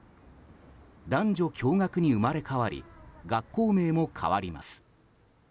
男女共学に生まれ変わり学校名も変わります。